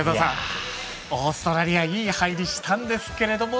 オーストラリアいい入りしたんですけれども。